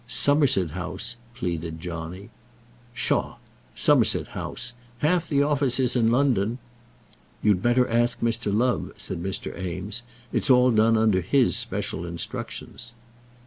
"Somerset House," pleaded Johnny. "Psha; Somerset House! Half the offices in London " "You'd better ask Mr. Love," said Eames. "It's all done under his special instructions."